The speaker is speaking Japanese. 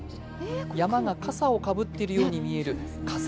山がかさをかぶっているように見えるかさ